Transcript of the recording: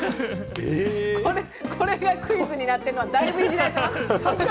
これがクイズになってるのは、だいぶイジられてます。